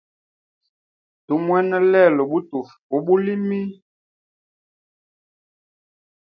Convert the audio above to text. Tumwena lelo butufu ubulimi.